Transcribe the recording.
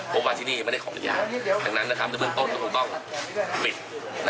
เพราะว่าที่นี่ไม่ได้ขออนุญาตดังนั้นเวลาต้นก็ต้องปิด